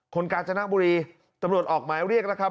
กาญจนบุรีตำรวจออกหมายเรียกนะครับ